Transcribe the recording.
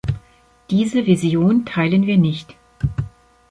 Diese Vision teilen wir nicht.